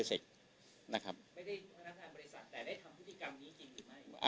ไม่ได้พนักงานบริษัทแต่ได้ทำพฤติกรรมนี้จริงหรือไม่